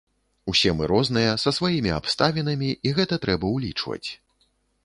Усе мы розныя, са сваімі абставінамі, і гэта трэба ўлічваць.